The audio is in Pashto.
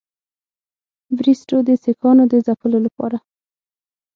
بریسټو د سیکهانو د ځپلو لپاره.